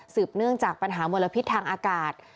เนื่องจากปัญหามลพิษทางอากาศ